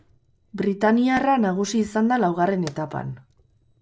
Britainiarra nagusi izan da laugarren etapan.